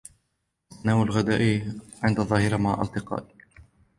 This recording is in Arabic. أتناول الغداء عند الظهيرة مع أصدقائي.